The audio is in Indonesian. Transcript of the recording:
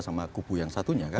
sama gubu yang satunya